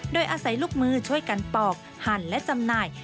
โดยอาศัยลูกมือช่วยกันปอกหั่นและจำหน่าย